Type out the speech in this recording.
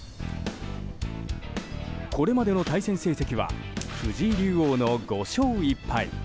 これまでの対戦成績は藤井竜王の５勝１敗。